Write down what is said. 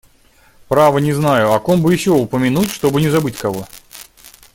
Право, не знаю, о ком бы еще упомянуть, чтобы не забыть кого.